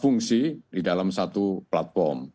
fungsi di dalam satu platform